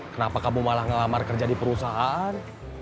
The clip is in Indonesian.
kenapa kamu malah ngelamar kerja di perusahaan